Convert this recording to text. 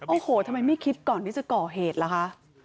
โอ้โหทำไมไม่คิดก่อนที่จะก่อเหตุล่ะคะ